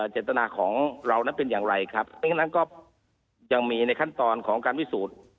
เจตนาของเรานั้นเป็นอย่างไรครับไม่งั้นก็ยังมีในขั้นตอนของการพิสูจน์